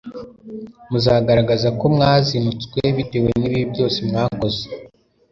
muzagaragaza ko mwazinutswe bitewe n'ibibi byose mwakoze